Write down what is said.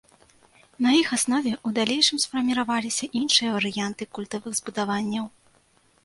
На іх аснове ў далейшым сфарміраваліся іншыя варыянты культавых збудаванняў.